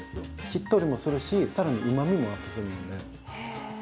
しっとりもするし、更にうまみもアップするので。